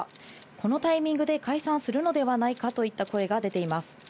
このタイミングで解散するのではないかといった声が出ています。